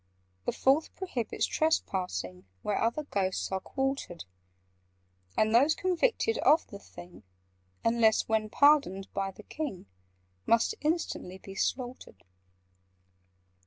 "The Fourth prohibits trespassing Where other Ghosts are quartered: And those convicted of the thing (Unless when pardoned by the King) Must instantly be slaughtered.